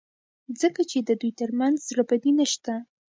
ځکه چې د دوی ترمنځ زړه بدي نشته.